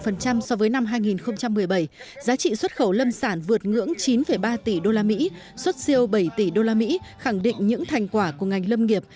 so với năm hai nghìn một mươi bảy giá trị xuất khẩu lâm sản vượt ngưỡng chín ba tỷ usd xuất siêu bảy tỷ usd khẳng định những thành quả của ngành lâm nghiệp